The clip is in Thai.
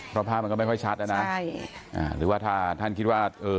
เพราะภาพมันก็ไม่ค่อยชัดนะหรือว่าถ้าท่านคิดว่า